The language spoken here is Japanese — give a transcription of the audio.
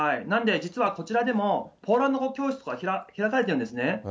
なんで、実はこちらでも、ポーランド語教室が開かれてるんですね。